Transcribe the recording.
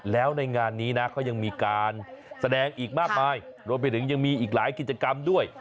แล้วในงานนี้นะเขายังมีการแสดงอีกมากมายรวมไปถึงยังมีอีกหลายกิจกรรมด้วย